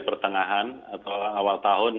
pertengahan atau awal tahun